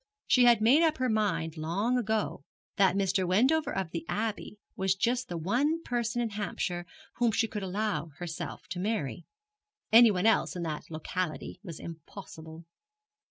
She had made up her mind long ago that Mr. Wendover of the Abbey was just the one person in Hampshire whom she could allow herself to marry. Anyone else in that locality was impossible.